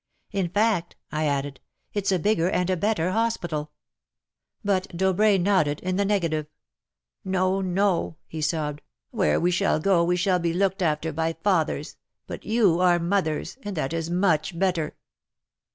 In fact," I added, "It's a bigger and a better hospital." 192 WAR AND WOMEN But Dobrai nodded, in the negative :'' No no," he sobbed, '' where we shall go, we shall be looked after by fathers, — but you are mothers, and that is much better."